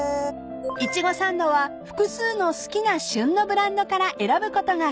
［いちごサンドは複数の好きな旬のブランドから選ぶことが可能］